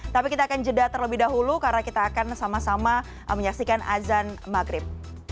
tapi kita akan jeda terlebih dahulu karena kita akan sama sama menyaksikan azan maghrib